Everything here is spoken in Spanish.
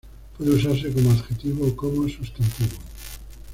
Puede usarse como adjetivo o como sustantivo.